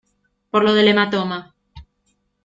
por lo del hematoma.